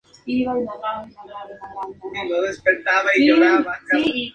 Fue un McDonald All-American y estuvo en el segundo equipo del Parade All-America.